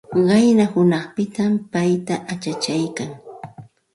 Qayna hunanpitam payqa achachaykan.